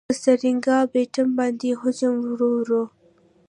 پر سرینګا پټم باندي هجوم ورووړ.